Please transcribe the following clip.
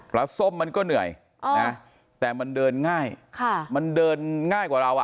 ส้มมันก็เหนื่อยนะแต่มันเดินง่ายมันเดินง่ายกว่าเราอ่ะ